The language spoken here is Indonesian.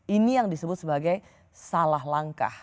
ini yang disebut sebagai salah langkah